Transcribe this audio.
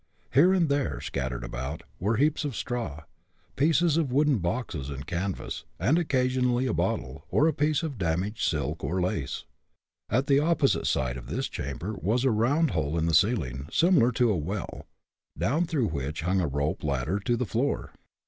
Here and there, scattered about, were heaps of straw, pieces of wooden boxes and canvas, and occasionally a bottle, or a piece of damaged silk or lace. At the opposite side of this chamber was a round hole in the ceiling, similar to a well, down through which hung a rope ladder to the floor.